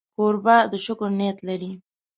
کوربه د شکر نیت لري.